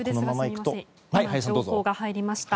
今、情報が入りました。